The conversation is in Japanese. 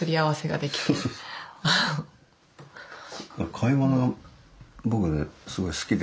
買い物が僕ねすごい好きで。